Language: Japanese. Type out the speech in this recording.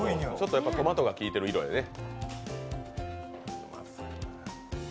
トマトがきいてる色やね。